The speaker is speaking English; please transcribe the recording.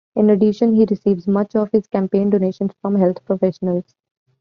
In addition, he receives much of his campaign donations from health professionals.